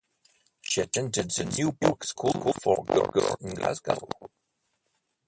She attended the New Park School for Girls in Glasgow.